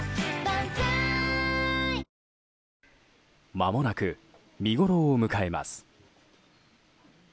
まもなく見ごろを迎えます。